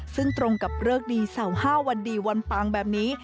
ซึ่งตรงกับเริกดีเศร้าห้าวันนี้วันปลางแบบนี้